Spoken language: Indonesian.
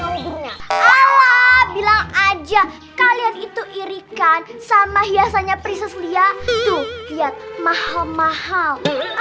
sebenarnya ala bilang aja kalian itu irikan sama hiasannya priscilia tuh lihat mahal mahal